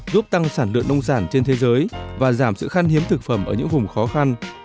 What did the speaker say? giúp tăng sản lượng nông sản trên thế giới và giảm sự khăn hiếm thực phẩm ở những vùng khó khăn